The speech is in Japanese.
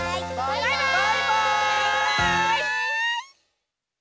「バイバーイ！」